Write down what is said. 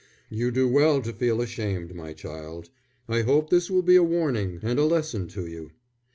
"You do well to feel ashamed, my child. I hope this will be a warning and a lesson to you.